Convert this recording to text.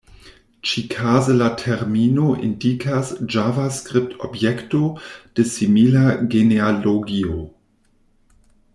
Ĉikaze la termino indikas Javascript-objekto de simila genealogio.